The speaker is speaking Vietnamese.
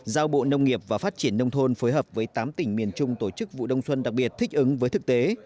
giao bộ nông nghiệp và phát triển nông thôn phối hợp với tám tỉnh miền trung tổ chức vụ đông xuân đặc biệt thích ứng với thực tế